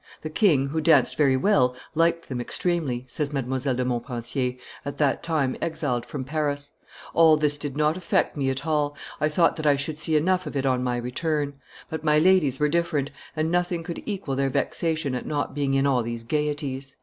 The king, who danced very well, liked them extremely," says Mdlle. de Montpensier, at that time exiled from Paris; "all this did not affect me at all; I thought that I should see enough of it on my return; but my ladies were different, and nothing could equal their vexation at not being in all these gayeties."